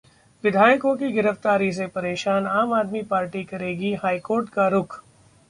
विधायकों की गिरफ्तारी से परेशान आम आदमी पार्टी करेगी हाईकोर्ट का रुख